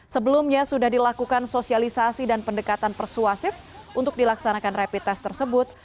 sebelumnya sudah dilakukan sosialisasi dan pendekatan persuasif untuk dilaksanakan rapid test tersebut